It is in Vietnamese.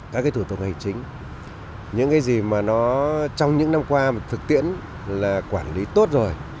các cái thủ tục hành chính những cái gì mà nó trong những năm qua thực tiễn là quản lý tốt rồi